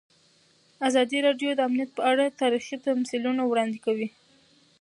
ازادي راډیو د امنیت په اړه تاریخي تمثیلونه وړاندې کړي.